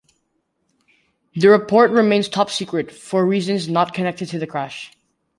The report remains top secret, for reasons not connected to the crash.